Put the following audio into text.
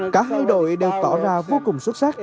cả hai đội đều tỏ ra vô cùng xuất sắc